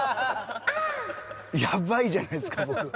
やばいじゃないですか僕。